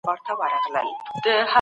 هغه مغول چي مسلمانان سول ډېر ځواکمن وو.